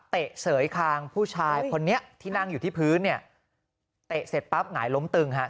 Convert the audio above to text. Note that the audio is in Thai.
เสยคางผู้ชายคนนี้ที่นั่งอยู่ที่พื้นเนี่ยเตะเสร็จปั๊บหงายล้มตึงฮะ